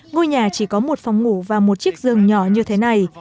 ngôi nhà chỉ có một phòng ngủ và một chiếc giường nhỏ như thế này